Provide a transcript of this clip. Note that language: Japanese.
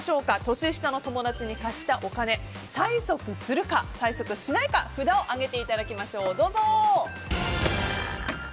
年下の友達に貸したお金催促するか、催促しないか札を上げていただきましょう。